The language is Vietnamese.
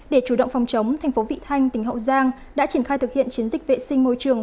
để chủ động phòng chống thành phố vị thanh tỉnh hậu giang đã triển khai thực hiện chiến dịch vệ sinh môi trường